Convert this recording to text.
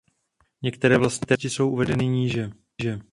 Některé vlastnosti jsou uvedeny níže.